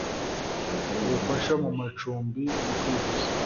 ubufasha mu macumbi mu kwivuza